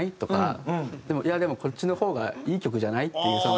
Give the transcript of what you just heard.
「いやでもこっちの方がいい曲じゃない？」っていう。